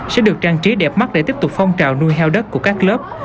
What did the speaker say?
sẽ được trang trí đẹp mắt để tiếp tục phong trào nuôi heo đất của các lớp